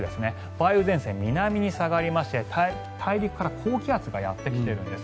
梅雨前線、南に下がりまして大陸から高気圧がやってきてるんです。